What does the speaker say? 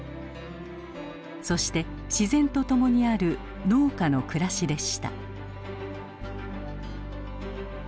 そして自然と共にある農家の暮らしでした。